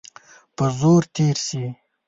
په زور تېر سي.